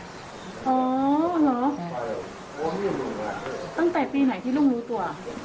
ตั้งแต่ปีไหนที่ลุงรู้ตัว